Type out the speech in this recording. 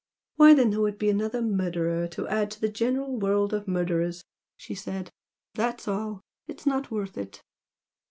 "Why then there would be another murderer added to the general world of murderers!" she said "That's all! It's not worth it!"